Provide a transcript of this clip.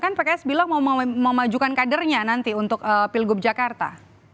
kan pks bilang mau memajukan kadernya nanti untuk pilgub jakarta